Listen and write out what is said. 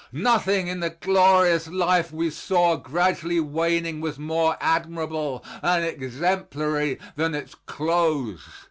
Nothing in the glorious life we saw gradually waning was more admirable and exemplary than its close.